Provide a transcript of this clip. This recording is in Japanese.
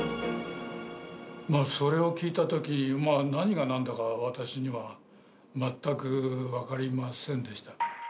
それを聞いたとき、何がなんだか私には全く分かりませんでした。